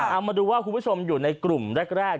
เอามาดูว่าคุณผู้ชมอยู่ในกลุ่มแรก